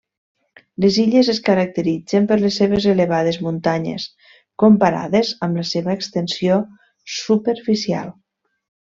Les illes es caracteritzen per les seves elevades muntanyes comparades amb la seva extensió superficial.